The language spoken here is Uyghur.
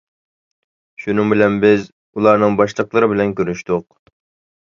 شۇنىڭ بىلەن بىز ئۇلارنىڭ باشلىقلىرى بىلەن كۆرۈشتۇق.